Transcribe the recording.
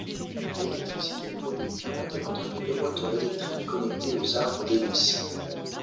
L’électricité produite permettait d’entraîner deux moteurs électriques connectés aux arbres d'hélices.